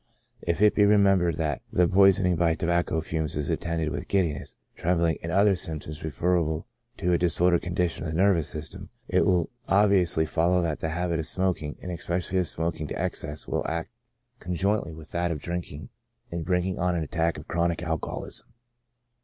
If it be remem bered that poisoning by tobacco fumes is attended with giddiness, trembling, and other symptoms referable to a dis ordered condition of the nervous system, it will obviously follow that the habit of smoking, and especially of smok ing to excess, will act conjointly with that of drinking in bringing on an attack of chronic alcohoHsm.